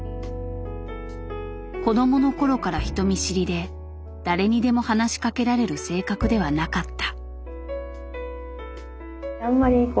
子どもの頃から人見知りで誰にでも話しかけられる性格ではなかった。